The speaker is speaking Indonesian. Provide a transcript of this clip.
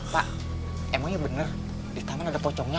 pak emangnya benar di taman ada pocongnya